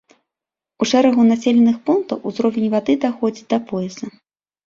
У шэрагу населеных пунктаў ўзровень вады даходзіць да пояса.